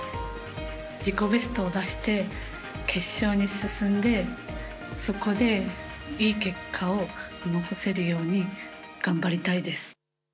自己ベストを出して決勝に進んでそこでいい結果を残せるように頑張りたいです。